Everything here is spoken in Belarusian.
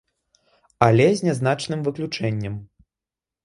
Але з нязначным выключэннем.